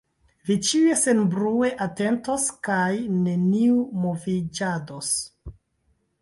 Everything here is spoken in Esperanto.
Vi ĉiuj senbrue atentos kaj neniu moviĝados.